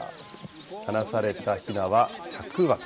放されたひなは１００羽。